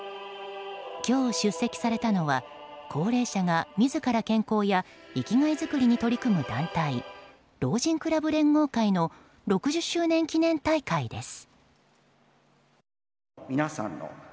今日、出席されたのは高齢者が自ら健康や生きがい作りに取り組む団体老人クラブ連合会の６０周年記念大会です。